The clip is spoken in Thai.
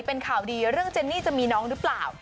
เป็นข่าวดีเรื่องเจนนี่จะมีน้องหรือเปล่า